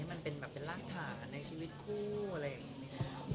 มันเป็นแบบรากฐานในชีวิตคู่อะไรอย่างงี้